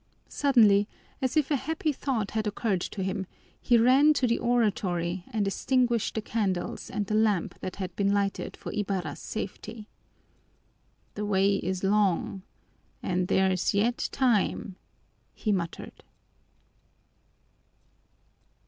Suddenly, as if a happy thought had occurred to him, he ran to the oratory and extinguished the candles and the lamp that had been lighted for Ibarra's safety. "The way is long and there's yet time," he muttered.